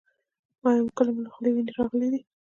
ایا کله مو له خولې وینه راغلې ده؟